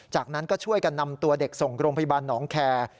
จากนั้นก็ช่วยกันนำตัวเด็กส่งโรงพยาบาลหนองแคร์